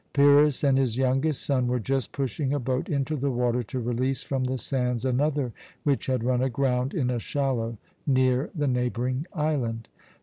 Pyrrhus and his youngest son were just pushing a boat into the water to release from the sands another which had run aground in a shallow near the neighbouring island.